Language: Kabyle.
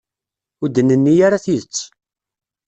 Ur d-nenni ara tidet.